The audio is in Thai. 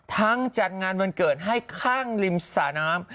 ทั้งจัดงานวันเกิดให้ค่างริมสนาม